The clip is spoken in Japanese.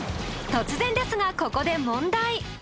突然ですがここで問題。